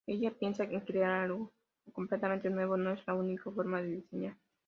Hella piensa que crear algo completamente nuevo no es la única forma de diseñar.